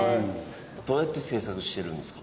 どうやって制作してるんですか？